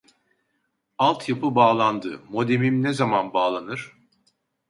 Alt yapı bağlandı modemim ne zaman bağlanır